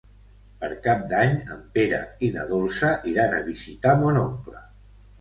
Per Cap d'Any en Pere i na Dolça iran a visitar mon oncle.